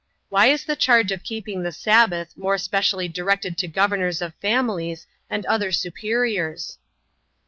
Why is the charge of keeping the sabbath more specially directed to governors of families, and other superiors?